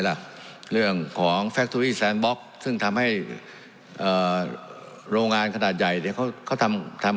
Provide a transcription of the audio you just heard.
สวัสดีสวัสดีสวัสดีสวัสดี